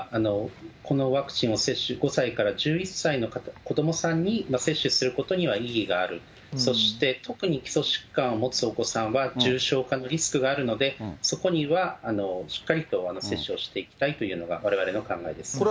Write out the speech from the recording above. このワクチンの接種、５歳から１１歳の子どもさんに接種することには意義がある、そして特に基礎疾患を持つお子さんは重症化のリスクがあるので、そこにはしっかりと接種をしていきたいというのが、われわれの考えです。